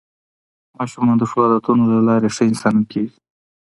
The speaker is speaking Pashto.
ماشومان د ښو عادتونو له لارې ښه انسانان کېږي